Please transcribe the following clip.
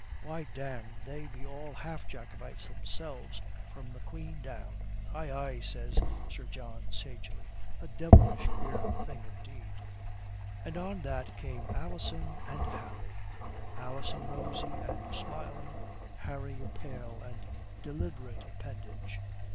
Why, damme, they be all half Jacobites themselves, from the Queen down." "Aye, aye," says Sir John sagely. "A devilish queer thing indeed." And on that came Alison and Harry Alison rosy and smiling, Harry a pale and deliberate appendage.